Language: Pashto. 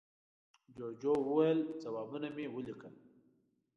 جوجو وویل، ځوابونه مې وليکل.